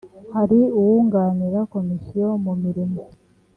hari uwunganira komisiyo mu mirimo